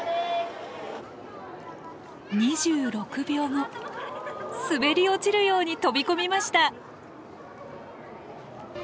２６秒後滑り落ちるように飛び込みました。